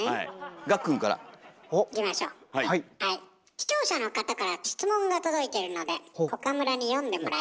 視聴者の方から質問が届いているので岡村に読んでもらいますね。